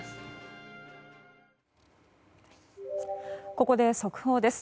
ここで速報です。